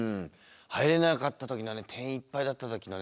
入れなかった時のね定員いっぱいだった時のね